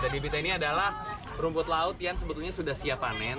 dan bibitnya ini adalah rumput laut yang sebetulnya sudah siap panen